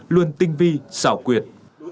luôn tinh vi xảo quyệt